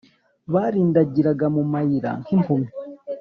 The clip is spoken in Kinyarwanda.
Barindagiraga mu mayira, nk’impumyi;